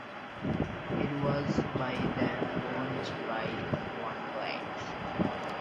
It was by then owned by one Glade.